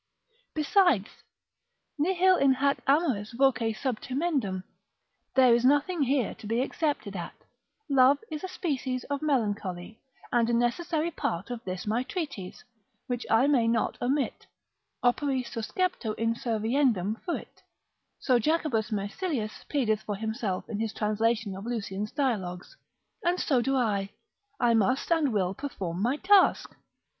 Besides, nihil in hac amoris voce subtimendum, there is nothing here to be excepted at; love is a species of melancholy, and a necessary part of this my treatise, which I may not omit; operi suscepto inserviendum fuit: so Jacobus Mysillius pleadeth for himself in his translation of Lucian's dialogues, and so do I; I must and will perform my task.